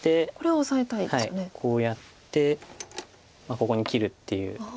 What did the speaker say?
はいこうやってここに切るっていう。